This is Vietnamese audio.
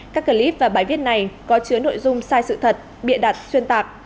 các clip và bài viết này có chứa nội dung sai sự thật bịa đặt xuyên tạc